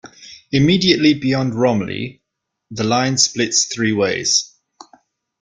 Immediately beyond Romiley, the line splits three ways.